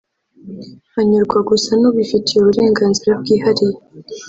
hanyurwa gusa n’ubifitiye uburenganzira bwihariye